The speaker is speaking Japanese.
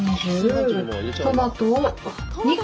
トマトを２個！